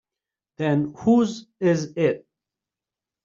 Then whose is it?